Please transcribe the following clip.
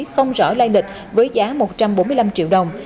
không rõ lai lịch với giá một trăm bốn mươi năm triệu đồng